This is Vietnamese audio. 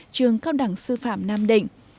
trường cao đẳng sư phạm nam định